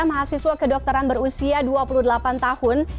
mahasiswa kedokteran berusia dua puluh delapan tahun